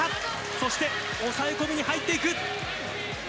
そして抑え込みに入っていく。